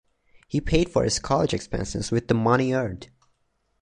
He paid for his college expenses with the money earned.